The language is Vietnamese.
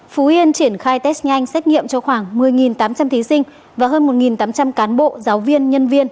phú yên triển khai test nhanh xét nghiệm cho khoảng một mươi tám trăm linh thí sinh và hơn một tám trăm linh cán bộ giáo viên nhân viên